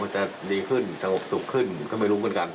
จะดีขึ้นสงบสุขขึ้นก็ไม่รู้เหมือนกัน